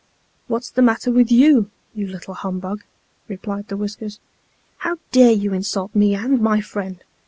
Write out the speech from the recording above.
" What's the matter with you, you little humbug ?" replied the whiskers. " How dare you insult me and my friend